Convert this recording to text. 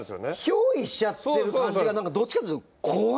ひょう依しちゃってる感じがどっちかっていうと怖い。